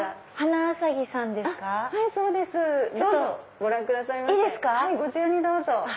ご自由にどうぞ。